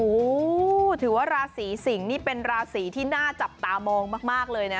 โอ้โหถือว่าราศีสิงศ์นี่เป็นราศีที่น่าจับตามองมากเลยนะ